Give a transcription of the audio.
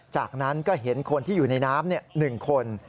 จากนั้นก็เห็นคนที่อยู่ในน้ำ๑คน